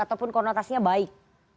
ataupun konotasinya baik